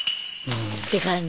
って感じ。